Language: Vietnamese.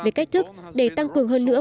về cách thức để tăng cường hơn nữa